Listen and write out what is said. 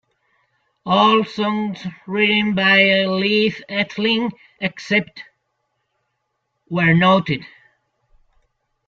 All songs written by Leif Edling except where noted.